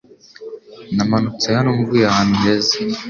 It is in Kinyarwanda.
Namanutse hano mvuye ahantu heza